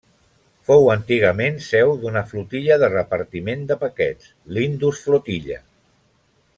Fou antigament seu d'una flotilla de repartiment de paquets, l'Indus Flotilla.